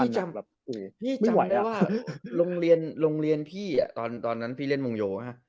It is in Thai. พี่จำได้ว่าโรงเรียนพี่ตอนนั้นพี่เล่นวงโยธ่ฮะ